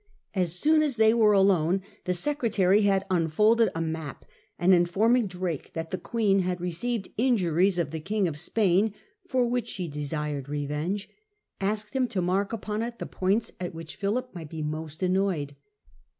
As soon as they were alone the Secretary had unfolded a map, and informing Drake that the Queen had received injuries of the King of Spain, for which she desired revenge, asked him to mark upon it the points at which Philip might be most annoyed.